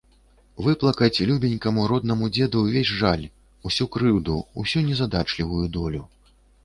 Выплакаць любенькаму, роднаму дзеду ўвесь жаль, усю крыўду, усю незадачлівую долю.